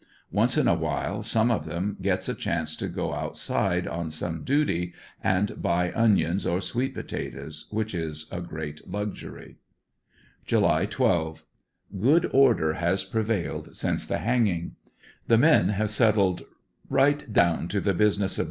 Once in a while some of them gets a chance to go outside on some duty and buy onions or sweet potatoes which is a great luxury. ANDERSONVILLE DIARY, 85 July 12. — Good order has prevailed since t^oVanging. The meii have settled right down to the business of